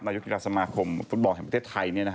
นายกกีฬาสมาคมฟุตบอลแห่งประเทศไทย